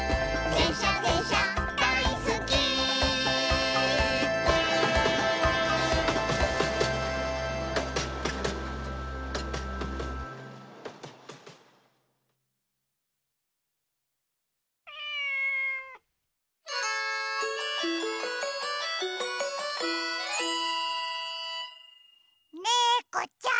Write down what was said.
「でんしゃでんしゃだいすっき」・ねこちゃん！